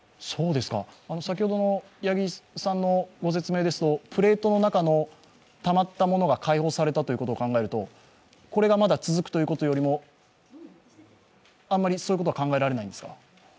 先ほどの八木さんのご説明ですと、プレートの中のたまったものが開放されたと考えるとこれがまだ続くということよりも、あまりそういうことは考えられないんですか？